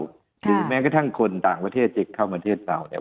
หรือแม้กระทั่งคนต่างประเทศจะเข้าประเทศเราเนี่ย